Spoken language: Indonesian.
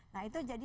nah itu jadi